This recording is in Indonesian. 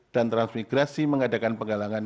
dan transmigrasi mengadakan penggalangan